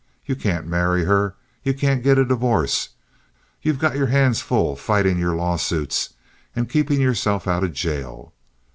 Ye can't marry her. Ye can't get a divorce. Ye've got your hands full fightin' your lawsuits and kapin' yourself out of jail.